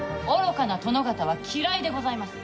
愚かな殿方は嫌いでございます。